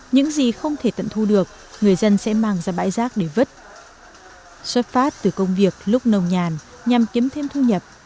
những gì không thể tận thu được người dân sẽ mang ra bãi rác để vứt xuất phát từ công việc lúc nồng nhàn nhằm kiếm thêm thu nhập